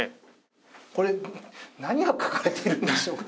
これ何が書かれているんでしょうか？